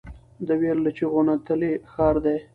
د ویر له چیغو نتلی ښار دی